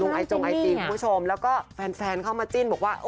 ไอจงไอจีคุณผู้ชมแล้วก็แฟนเข้ามาจิ้นบอกว่า